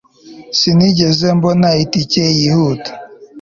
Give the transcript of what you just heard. sinigeze mbona itike yihuta